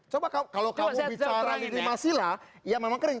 coba kalau kamu bicara lini masila ya memang kering